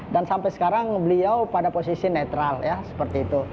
dan sampai sekarang beliau pada posisi netral ya seperti itu